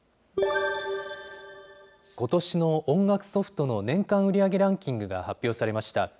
ことしの音楽ソフトの年間売り上げランキングが発表されました。